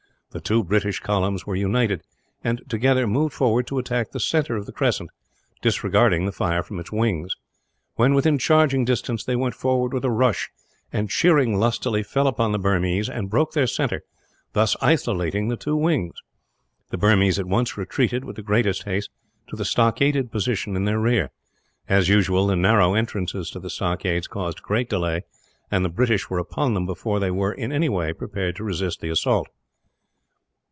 The two British columns were united and, together, moved forward to attack the centre of the crescent, disregarding the fire from its wings. When within charging distance, they went forward with a rush and, cheering lustily, fell upon the Burmese; and broke their centre, thus isolating the two wings. The Burmese at once retreated, with the greatest haste, to the stockaded position in their rear. As usual, the narrow entrances to the stockades caused great delay; and the British were upon them before they were, in any way, prepared to resist the assault.